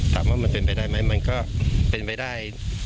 ถามว่ามันเป็นไปได้ไหมมันก็เป็นไปได้